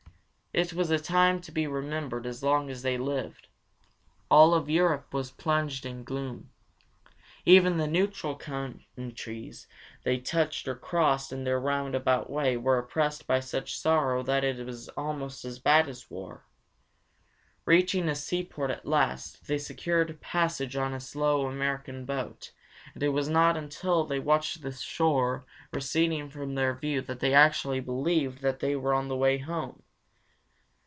It was a time to be remembered as long as they lived. All of Europe was plunged in gloom. Even the neutral countries they touched or crossed in their roundabout way were oppressed by such sorrow that it was almost as bad as war. Reaching a seaport at last, they secured passage on a slow American boat, and it was not until they watched the shore receding from their view that they actually believed that they were on the way home.